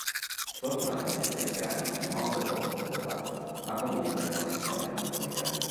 Sfortunatamente il cranio è molto poco preservato, ma comunque in connessione anatomica.